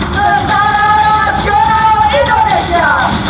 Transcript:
netara rasional indonesia